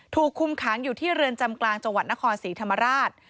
ถูกคุมขังอยู่ที่เรือนจำกลางจังหวัดนครศรีธรรมราช